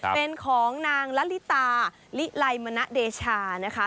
เป็นของนางละลิตาลิไลมณเดชานะคะ